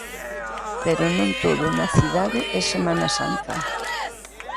Pero non todo na cidade é Semana Santa.